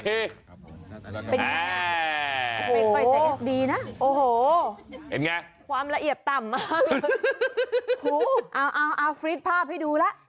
แอ่โอ้โฮโอ้โฮเห็นไงความละเอียดต่ำเอาฟรีดภาพให้ดูแล้ว